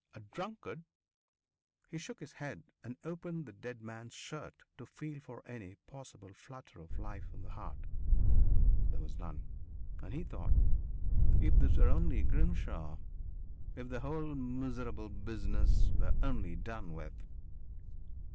A drunkard?" He shook his head and opened the dead man's shirt to feel for any possible flutter of life in the heart. There was none. And he thought: "If this were only Grimshaw! If the whole miserable business were only done with."